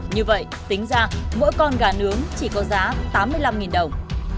như vậy tính ra mỗi con gà nướng chỉ có giá tám mươi năm đồng